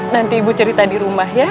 nanti ibu cerita dirumah ya